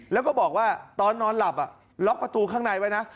แล้วก็บอกว่าตอนนอนหลับล็อกประตูข้างในไว้นะ